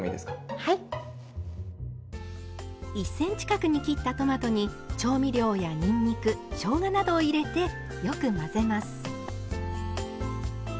１ｃｍ角に切ったトマトに調味料やにんにくしょうがなどを入れてよく混ぜます。